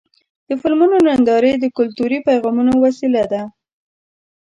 د فلمونو نندارې د کلتوري پیغامونو وسیله ده.